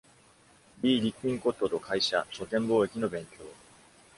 B. リッピンコットと会社、書店貿易の勉強。